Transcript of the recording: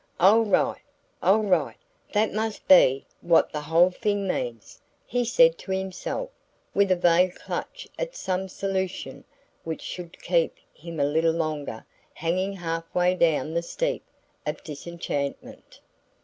"I'll write I'll write: that must be what the whole thing means," he said to himself, with a vague clutch at some solution which should keep him a little longer hanging half way down the steep of disenchantment.